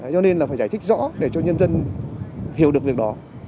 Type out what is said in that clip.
cho nên là phải giải thích rõ để cho nhân dân hiểu được việc đó